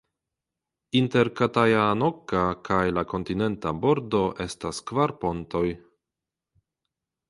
Inter Katajanokka kaj la kontinenta bordo estas kvar pontoj.